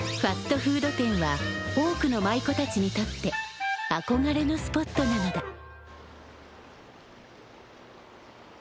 ファストフード店は多くの舞妓たちにとって憧れのスポットなのだ。